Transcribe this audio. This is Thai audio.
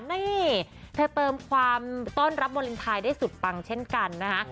นี่เธอเติมความต้อนรับวาเลนไทยได้สุดปังเช่นกันนะคะ